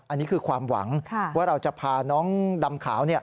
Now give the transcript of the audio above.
อันนี้คือความหวังว่าเราจะพาน้องดำขาว